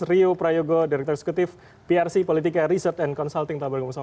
riu prayogo direktur eksekutif prc politika research and consulting tabar gama sama umum